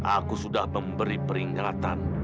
aku sudah memberi peringatan